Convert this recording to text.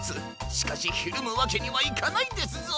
しかしひるむわけにはいかないですぞ。